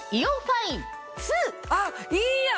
あっいいやん